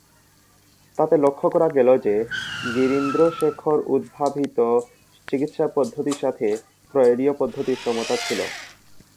তাতে লক্ষ্য করা গেল যে, গিরীন্দ্রশেখর-উদ্ভাবিত চিকিৎসা পদ্ধতির সাথে ফ্রয়েডীয়-পদ্ধতির সমতা ছিল।